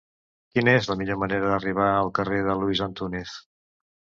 Quina és la millor manera d'arribar al carrer de Luis Antúnez?